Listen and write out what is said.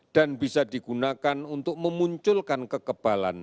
dan bisa digunakan untuk memunculkan kekebalan